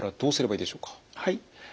はい。